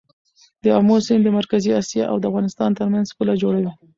د امو سیند د مرکزي اسیا او افغانستان ترمنځ پوله جوړوي.